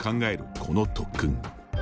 この特訓。